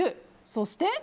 そして。